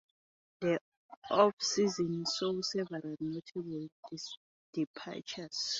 The offseason saw several notable departures.